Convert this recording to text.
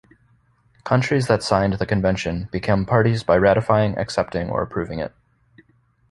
Countries that signed the Convention become Parties by ratifying, accepting or approving it.